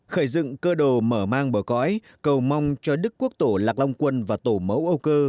khởi dựng cơ đồ mở mang bờ cõi cầu mong cho đức quốc tổ lạc long quân và tổ mẫu âu cơ